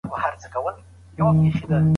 د کوچني دپاره تاسي باید خپلي بېلګې راوړئ.